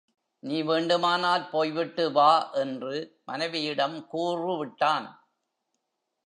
நீ வேண்டுமானால் போய் விட்டு வா, என்று மனைவியிடம் கூறுவிட்டான்.